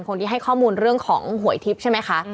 คนที่ให้ข้อมูลเรื่องของหวยทิพย์ใช่ไหมคะ